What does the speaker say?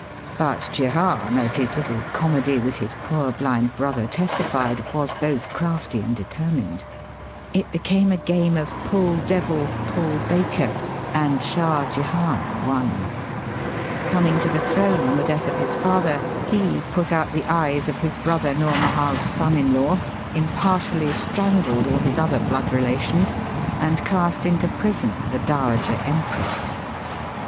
But Jehan, as his little comedy with his ''poor blind brother" testified, was both crafty and determined. It became a game of '* puU devil, pull baker," and Shah Jehan Digitized by VjOOQIC 284 EAST BY WEST. won. Coming to the throne on the death of his father, he put out the eyes of his brother Noor Mahal's son in law, impartially strangled all his other blood relations, and cast into prison the dowager Empress.